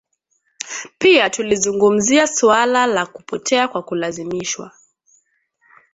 Pia tulizungumzia suala la kupotea kwa kulazimishwa